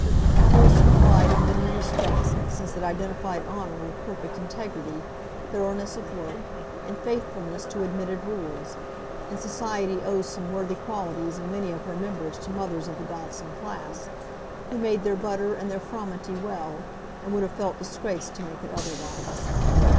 A wholesome pride in many respects, since it identified honour with perfect integrity, thoroughness of work, and faithfulness to admitted rules; and society owes some worthy qualities in many of her members to mothers of the Dodson class, who made their butter and their fromenty well, and would have felt disgraced to make it otherwise.